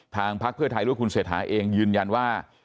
ทางภักดิ์เพื่อไทยรู้ว่าคุณเศรษฐาเองยืนยันว่า